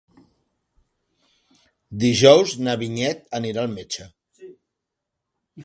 Dijous na Vinyet anirà al metge.